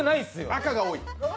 赤が多い。